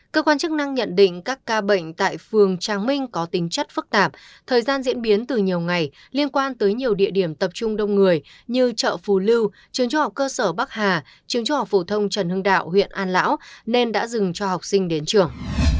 cơ quan chức năng nhận định các ca bệnh tại phường trang minh có tính chất phức tạp thời gian diễn biến từ nhiều ngày liên quan tới nhiều địa điểm tập trung đông người như chợ phù lưu trường trung học cơ sở bắc hà trường trung học phổ thông trần hưng đạo huyện an lão nên đã dừng cho học sinh đến trường